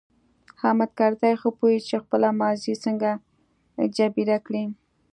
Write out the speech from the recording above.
حامد کرزی ښه پوهیږي چې خپله ماضي څنګه جبیره کړي.